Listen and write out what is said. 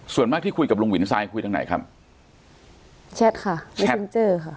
ส่วนมากที่คุยกับลุงวินทรายคุยทางไหนครับแชทค่ะเช็คอินเจอร์ค่ะ